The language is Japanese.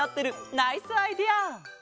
ナイスアイデア！